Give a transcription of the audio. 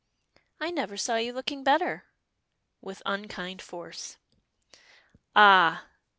"I never saw you looking better," with unkind force. "Ah!"